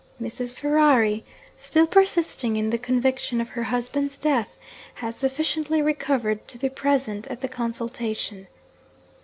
Mrs. Ferrari still persisting in the conviction of her husband's death had sufficiently recovered to be present at the consultation.